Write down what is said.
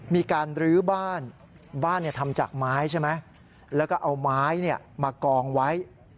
มีการลื้อบ้านบ้านทำจากไม้ใช่ไหมแล้วก็เอาไม้มากองไว้